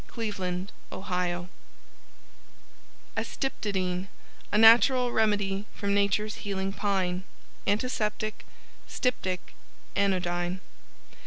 Cleveland, Ohio ASTYPTODYNE A Natural Remedy from Natures Healing Pine. Antiseptic Styptic Anodyne.